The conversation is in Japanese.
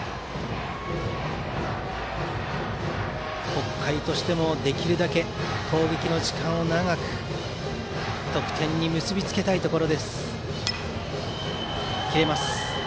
北海としてもできるだけ攻撃の時間を長く得点に結び付けたいところ。